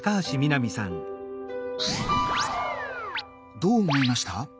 どう思いました？